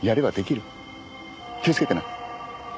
気をつけてな。